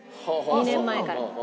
２年前から。